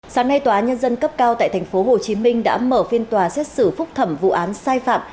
sáng nay tòa nhân dân cấp cao tại tp hcm đã mở phiên tòa xét xử phúc thẩm vụ án sai phạm